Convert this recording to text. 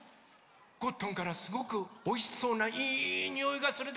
ゴットンからすごくおいしそうないいにおいがするでござんすね。